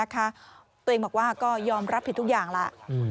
ตัวเองบอกว่าก็ยอมรับผิดทุกอย่างแล้ว